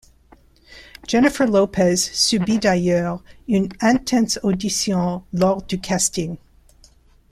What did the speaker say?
Jennifer Lopez subit d'ailleurs une intense audition lors du casting.